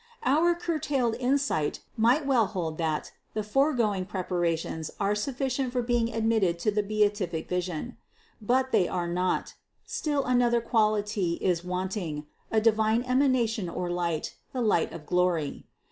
628. Our curtailed insight might well hold that the foregoing preparations are sufficient for being admitted to the beatific vision ; but they are not : still another qual ity is wanting, a divine emanation or light, the light of glory.